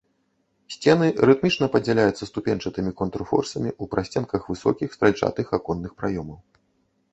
Сцены рытмічна падзяляюцца ступеньчатымі контрфорсамі ў прасценках высокіх стральчатых аконных праёмаў.